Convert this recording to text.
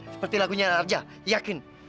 seperti lagunya larja yakin